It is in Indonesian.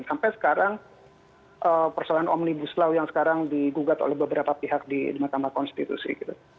sampai sekarang persoalan omnibus law yang sekarang digugat oleh beberapa pihak di mahkamah konstitusi